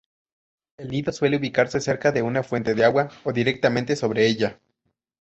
El nido suele ubicarse cerca de una fuente de agua o directamente sobre ella.